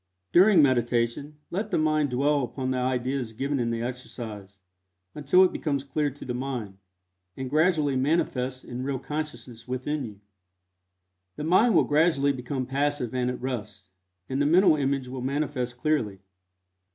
During meditation let the mind dwell upon the ideas given in the exercise, until it becomes clear to the mind, and gradually manifests in real consciousness within you. The mind will gradually become passive and at rest, and the mental image will manifest clearly.